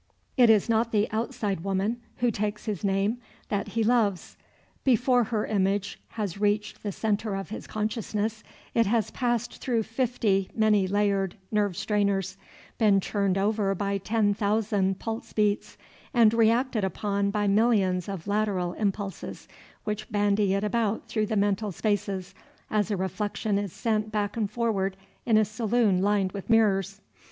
It is not the outside woman, who takes his name, that he loves: before her image has reached the centre of his consciousness, it has passed through fifty many layered nerve strainers, been churned over by ten thousand pulse beats, and reacted upon by millions of lateral impulses which bandy it about through the mental spaces as a reflection is sent back and forward in a saloon lined with mirrors.